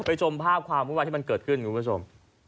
ชมภาพความวุ่นวายที่มันเกิดขึ้นคุณผู้ชม